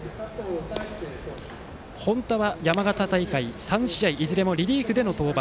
本田は山形大会３試合でいずれもリリーフでの登板。